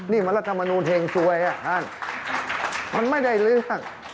นี่มันรัฐมนุนเฮงซวยมันไม่ได้เรื่อง